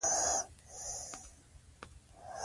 بس دا یو خوی مي د پښتنو دی